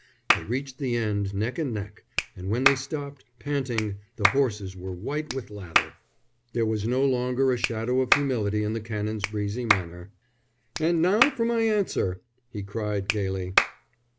They reached the end neck and neck, and when they stopped, panting, the horses were white with lather. There was no longer a shadow of humility in the Canon's breezy manner. "And now for my answer," he cried, gaily.